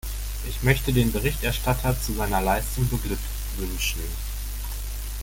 Ich möchte den Berichterstatter zu seiner Leistung beglückwünschen.